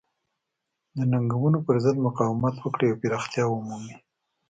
د ننګونو پرضد مقاومت وکړي او پراختیا ومومي.